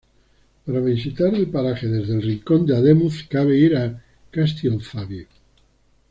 Para visitar el paraje desde el Rincón de Ademuz cabe ir a Castielfabib.